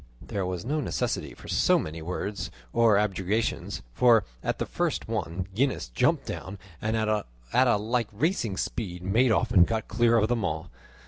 There was no necessity for so many words or objurgations, for at the first one Gines jumped down, and at a like racing speed made off and got clear of them all.